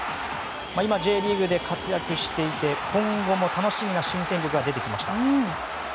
今、Ｊリーグで活躍していて今後も楽しみな新勢力が出てきました。